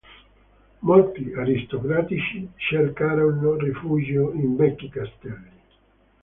Molti aristocratici cercarono rifugio in vecchi castelli.